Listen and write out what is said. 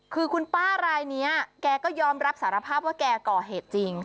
คือคุณป้ารายนี้แกก็ยอมรับสารภาพว่าแกก่อเหตุจริง